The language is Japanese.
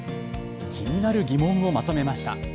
気になる疑問をまとめました。